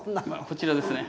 こちらですね。